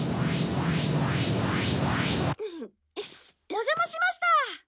お邪魔しました！